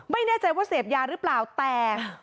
ไม่แน่ใจว่าเสพยาหรือเปล่าแต่